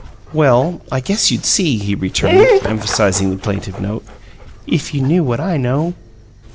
"Well, I guess you'd see," he returned, emphasizing the plaintive note, "if you knew what I know."